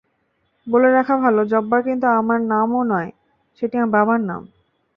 বলে রাখা ভালো, জব্বার কিন্তু আমার নামও নয়, সেটি আমার বাবার নাম।